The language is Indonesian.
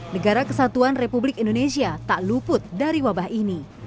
negara kesatuan republik indonesia tak luput dari wabah ini